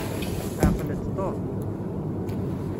Ɛqel-d Tom.